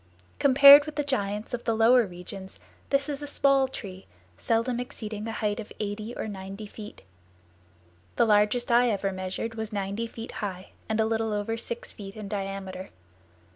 Compared with the giants of the lower regions this is a small tree, seldom exceeding a height of eighty or ninety feet. The largest I ever measured was ninety feet high and a little over six feet in diameter.